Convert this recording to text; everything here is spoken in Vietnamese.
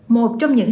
một trong những